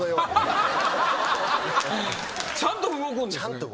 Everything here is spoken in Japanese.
ちゃんと動くんですね。